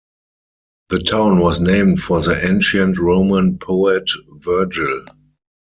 The town was named for the Ancient Roman poet Virgil.